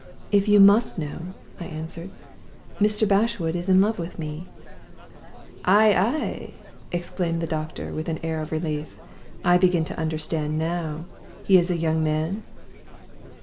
'If you must know,' I answered, 'Mr. Bashwood is in love with me.' "'Ay! ay!' exclaimed the doctor, with an air of relief. 'I begin to understand now. Is he a young man?